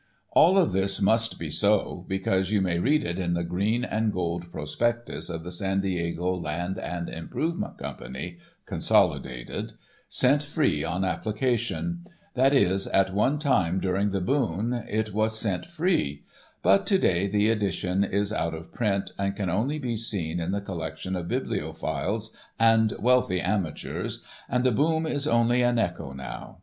All of this must be so, because you may read it in the green and gold prospectus of the San Diego Land and Improvement Company (consolidated), sent free on application—that is, at one time during the boom it was sent free—but to day the edition is out of print, and can only be seen in the collection of bibliophiles and wealthy amateurs, and the boom is only an echo now.